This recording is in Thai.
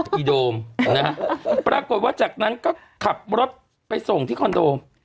อีโดมนะฮะปรากฏว่าจากนั้นก็ขับรถไปส่งที่คอนโด